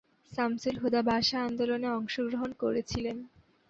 শামসুল হুদা ভাষা আন্দোলনে অংশগ্রহণ করেছিলেন।